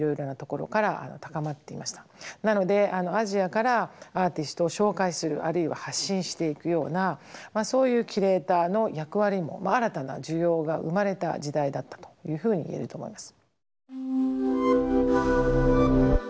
なのでアジアからアーティストを紹介するあるいは発信していくようなそういうキュレーターの役割も新たな需要が生まれた時代だったというふうに言えると思います。